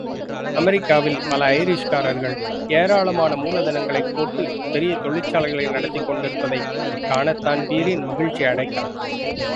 அமெரிக்காவில் பல ஐரிஷ்காரர்கள் ஏராளமான மூலதனங்களைப் போட்டுப் பெரிய தொழிற்சாலைகளை நடத்திக் கொண்டிருப்பதைக் காணத்தான்பிரீன் மகிழ்ச்சியடைக்கான்.